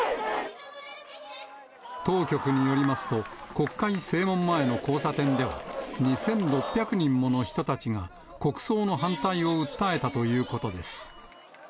当局によりますと、国会正門前の交差点では、２６００人もの人たちが、国葬の反対を訴えたということです。